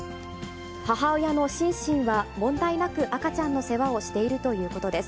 母親のシンシンは問題なく赤ちゃんの世話をしているということです。